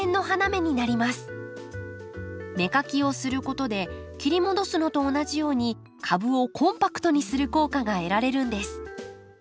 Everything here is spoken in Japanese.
芽かきをすることで切り戻すのと同じように株をコンパクトにする効果が得られるんです。